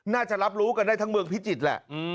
น่าจะรับรู้กันได้ทั้งเมืองพิจิตรแหละ